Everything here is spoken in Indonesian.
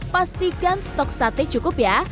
pastikan stok sate cukup ya